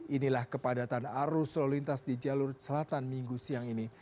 inilah kepadatan arus lalu lintas di jalur selatan minggu siang ini